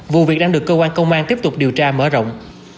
vụ việc đang được cơ quan công an tiếp tục điều tra mở rộng